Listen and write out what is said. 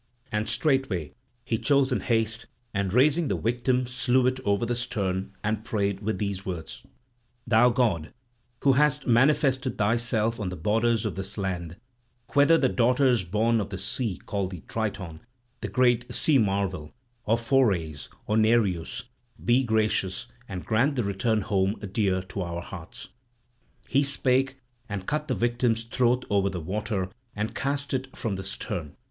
And straightway he chose in haste and raising the victim slew it over the stern, and prayed with these words: "Thou god, who hast manifested thyself on the borders of this land, whether the daughters born of the sea call thee Triton, the great sea marvel, or Phoreys, or Nereus, be gracious, and grant the return home dear to our hearts." He spake, and cut the victim's throat over the water and cast it from the stern.